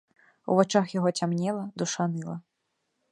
У вачах яго цямнела, душа ныла.